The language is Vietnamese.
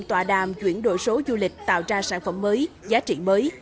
tòa đàm chuyển đổi số du lịch tạo ra sản phẩm mới giá trị mới